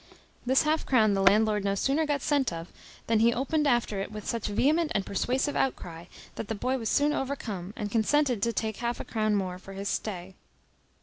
This half crown the landlord no sooner got scent of, than he opened after it with such vehement and persuasive outcry, that the boy was soon overcome, and consented to take half a crown more for his stay.